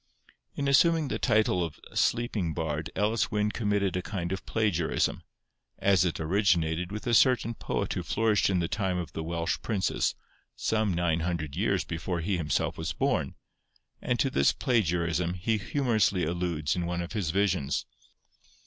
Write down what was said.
In assuming the title of 'Sleeping Bard' Elis Wyn committed a kind of plagiarism, as it originated with a certain poet who flourished in the time of the Welsh princes, some nine hundred years before he himself was born, and to this plagiarism he humorously alludes in one of his visions.